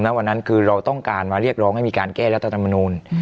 วันนั้นคือเราต้องการมาเรียกร้องให้มีการแก้รัฐธรรมนูล